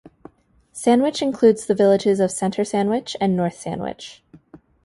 Sandwich includes the villages of Center Sandwich and North Sandwich.